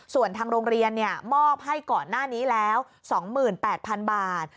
ส่วนทางโรงเรียนมอบให้ก่อนหน้านี้แล้ว๒๘๐๐๐บาท